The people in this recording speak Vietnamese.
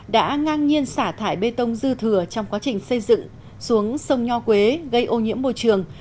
đã ngang nhiên xả thải bê tông dư thừa trong quá trình xây dựng xuống sông nho quế gây ô nhiễm môi trường